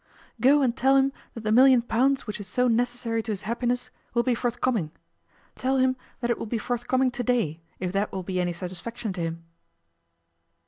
'Go and tell him that the million pounds which is so necessary to his happiness will be forthcoming. Tell him that it will be forthcoming today, if that will be any satisfaction to him.